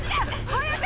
早く！